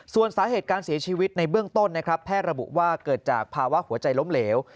ส่วนสาเหตุการเสียชีวิตในเบื้องต้นนะครับแพทย์ระบุว่าเกิดจากภาวะหัวใจล้มเหลว